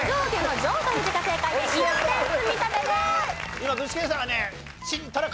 今具志堅さんがね